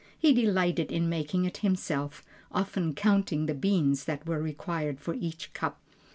He delighted in making it himself, often counting the beans that were required for each cup.